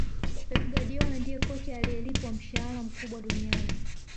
Pep Guardiola ndiye kocha anayelipwa mshahara mkubwa duniani